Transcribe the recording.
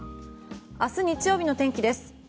明日日曜日の天気です。